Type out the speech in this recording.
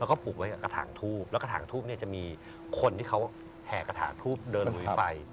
แล้วก็ผูกไว้กับกระถางทูบแล้วกระถางทูบเนี่ยจะมีคนที่เขาแห่กระถาทูบเดินหลุยไฟ